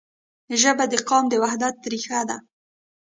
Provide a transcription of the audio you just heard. ژبه د قام د وحدت رښه ده.